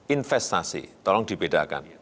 investasi tolong dibedakan